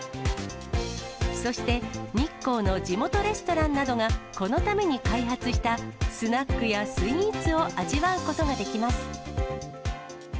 そして日光の地元レストランなどがこのために開発したスナックやスイーツを味わうことができます。